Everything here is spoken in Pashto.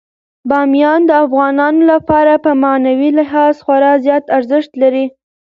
بامیان د افغانانو لپاره په معنوي لحاظ خورا زیات ارزښت لري.